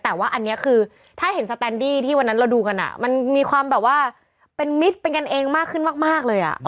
แต่ว่าอันนี้คือถ้าเห็นสแตนดี้ที่วันนั้นเราดูกันมันมีความแบบว่าเป็นมิตรเป็นกันเองมากขึ้นมากเลย